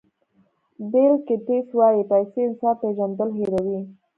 بیل ګېټس وایي پیسې انسان پېژندل هیروي.